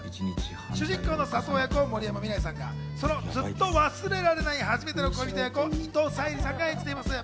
主人公の佐藤役を森山未來さんが、そのずっと忘れられない初めての恋人役を伊藤沙莉さんが演じています。